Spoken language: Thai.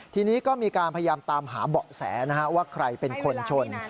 ทีนี้ก็มีการพยายามตามหาเบาะแสว่าใครเป็นคนชน